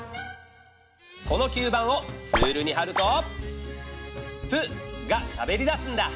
この吸盤をツールにはると「プ」がしゃべりだすんだ。